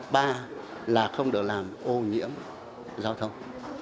ba là không được làm ô nhiễm giao thông